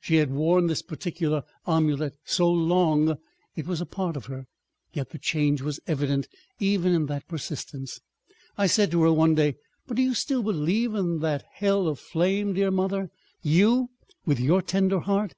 She had worn this particular amulet so long it was a part of her. Yet the Change was evident even in that persistence. I said to her one day, "But do you still believe in that hell of flame, dear mother? You—with your tender heart!"